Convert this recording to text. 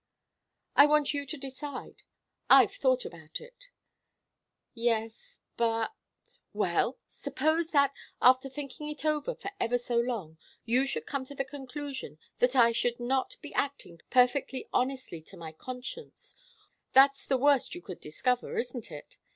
"I want you to decide. I've thought about it." "Yes but " "Well? Suppose that, after thinking it over for ever so long, you should come to the conclusion that I should not be acting perfectly honestly to my conscience that's the worst you could discover, isn't it?